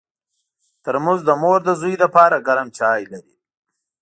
ترموز د مور د زوی لپاره ګرم چای لري.